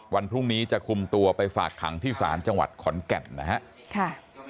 วันพรุ่งนี้จะคุมตัวไปฝากขังที่ศาลจังหวัดขอนแก่นนะครับ